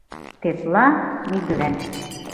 Тетла — нигӧлан».